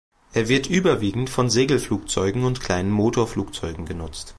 Er wird überwiegend von Segelflugzeugen und kleinen Motorflugzeugen genutzt.